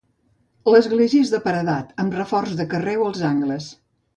L'església és de paredat amb reforç de carreu als angles.